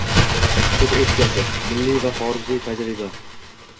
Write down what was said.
Sud etikasi: milliy va xorijiy tajribang